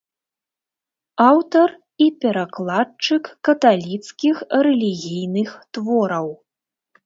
Аўтар і перакладчык каталіцкіх рэлігійных твораў.